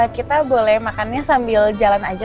kita boleh makannya sambil jalan aja